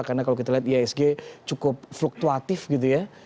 karena kalau kita lihat ihsg cukup fluktuatif gitu ya